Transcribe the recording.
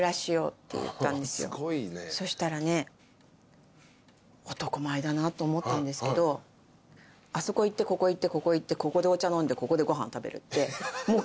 そしたらね男前だなと思ったんですけどあそこ行ってここ行ってここ行ってここでお茶飲んでここでご飯食べるってもう決まってて。